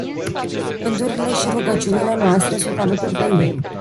Gândurile și rugăciunile noastre sunt alături de ei.